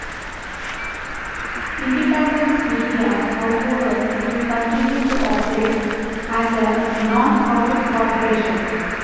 Independence Media, however, will continue to operate as a non-profit corporation.